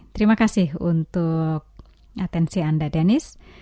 terima kasih untuk atensi anda dennis